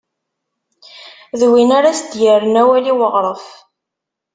D win ara s-d-yerren awal i uɣref.